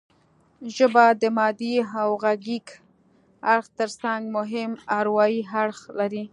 ژبه د مادي او غږیز اړخ ترڅنګ مهم اروايي اړخ لري